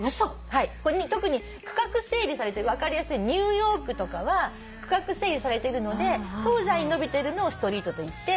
特に区画整理されてる分かりやすいニューヨークとかは区画整理されてるので東西に延びてるのをストリートといって。